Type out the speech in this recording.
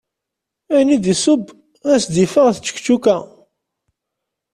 Ayen i d-iseww ad as-d-yeffeɣ d ččekčuka.